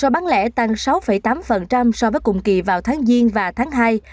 bán lẻ tăng sáu tám so với cùng kỳ vào tháng giêng và tháng hai